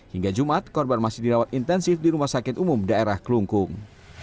hingga jumat korban masih dirawat intensif di rumah sakit umum daerah kelungkung